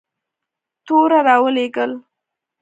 توره را ولېږل.